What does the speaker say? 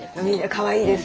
かわいいです。